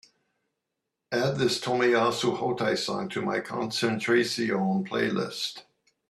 Add this tomoyasu hotei song to my concentración playlist